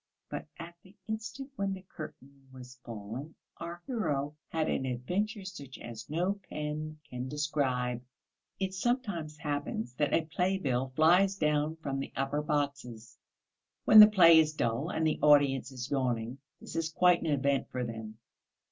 But at the instant when the curtain was falling, our hero had an adventure such as no pen can describe. It sometimes happens that a playbill flies down from the upper boxes. When the play is dull and the audience is yawning this is quite an event for them.